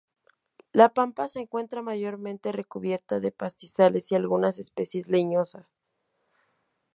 La pampa se encuentra mayormente recubierta de pastizales y algunas especies leñosas.